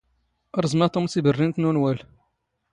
ⵕⵥⵎ ⴰ ⵜⵓⵎ ⵜⵉⴱⵔⵔⵉⵏⵜ ⵏ ⵓⵏⵡⴰⵍ.